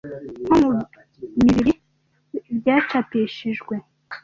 nko mu mubiri byacapishijwe